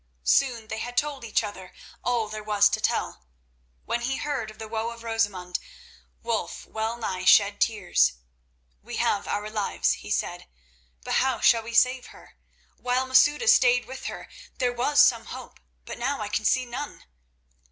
Soon they had told each other all there was to tell. When he heard of the woe of Rosamund Wulf well nigh shed tears. "We have our lives," he said, "but how shall we save her? While Masouda stayed with her there was some hope, but now I can see none."